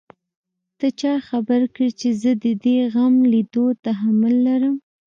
ته چا خبره کړې چې زه د دې غم ليدو تحمل لرم.